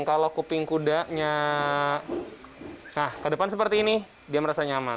kalau kuping kudanya nah ke depan seperti ini dia merasa nyaman